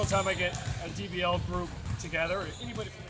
atau apapun yang saya lakukan